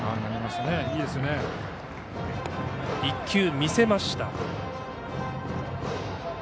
１球、見せました。